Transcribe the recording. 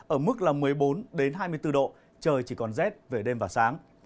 ở mức là một mươi bốn hai mươi bốn độ trời chỉ còn rét về đêm và sáng